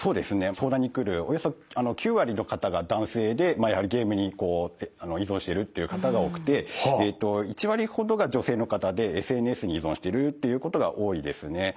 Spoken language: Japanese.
相談に来るおよそ９割の方が男性でやはりゲームに依存しているっていう方が多くてえと１割ほどが女性の方でＳＮＳに依存してるっていうことが多いですね。